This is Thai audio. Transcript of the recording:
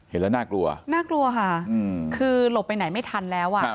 เห็นแล้วน่ากลัวน่ากลัวค่ะคือหลบไปไหนไม่ทันแล้วอ่ะ